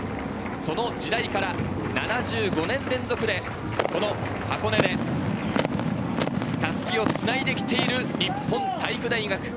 その時代から７５年連続でこの箱根で襷をつないできている日本体育大学。